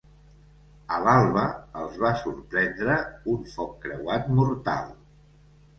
A l'alba els va sorprendre un foc creuat mortal.